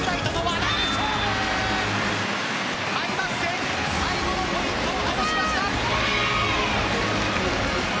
開幕戦最後のポイントを果たしました。